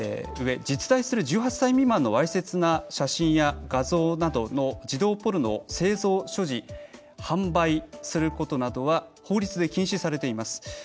実在する１８歳未満のわいせつな写真や画像などの児童ポルノを製造・所持・販売することなどは法律で禁止されています。